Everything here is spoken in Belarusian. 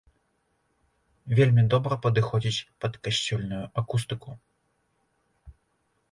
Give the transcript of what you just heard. Вельмі добра падыходзіць пад касцёльную акустыку.